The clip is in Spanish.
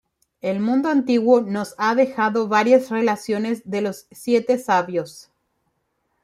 El mundo antiguo nos ha dejado varias relaciones de los Siete Sabios.